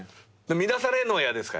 乱されんのは嫌ですか？